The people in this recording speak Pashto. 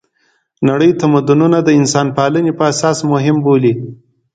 نړۍ تمدونونه د انسانپالنې په اساس مهم بولي.